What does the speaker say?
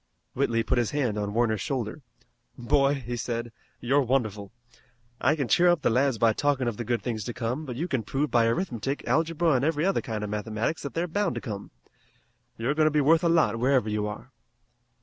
Whitley put his hand upon Warner's shoulder. "Boy," he said, "you're wonderful. I can cheer up the lads by talkin' of the good things to come, but you can prove by arithmetic, algebra an' every other kind of mathematics that they're bound to come. You're goin' to be worth a lot wherever you are."